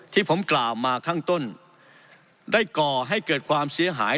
ที่ผมกล่าวมาข้างต้นได้ก่อให้เกิดความเสียหาย